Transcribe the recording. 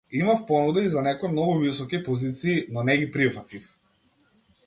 Имав понуда и за некои многу високи позиции, но не ги прифатив.